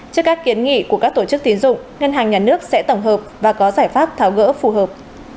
trước các kiến nghị của các tổ chức tiến dụng ngân hàng nhà nước sẽ tổng hợp và có giải pháp tháo gỡ phù hợp